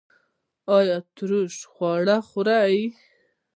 ایا ترش خواړه خورئ؟